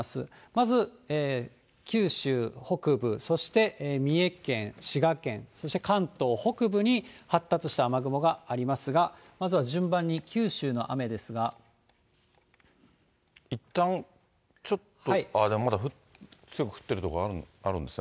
まず九州北部、そして三重県、滋賀県、そして関東北部に、発達した雨雲がありますが、まずは順番に、いったん、ちょっと、でも、まだ強く降ってる所あるんですね。